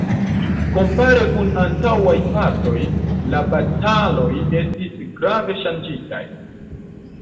Kompare kun antaŭaj partoj, la bataloj estis grave ŝanĝitaj.